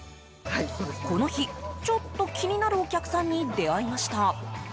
この日、ちょっと気になるお客さんに出会いました。